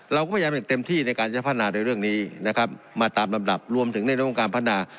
เราก็พยายามอย่างเต็มที่ในการจะพัฒนาในเรื่องนี้นะครับมาตามลำดับรวมถึงในเรื่องของการพัฒนา